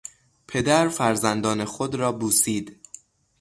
پدر فرزندان خود را بوسید.